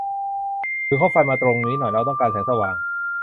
ถือคบไฟมาตรงนี้หน่อย เราต้องการแสงสว่าง